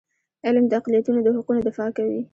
علم د اقلیتونو د حقونو دفاع کوي.